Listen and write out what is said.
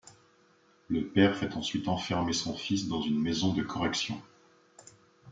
Le père fait ensuite enfermer son fils dans une maison de correction.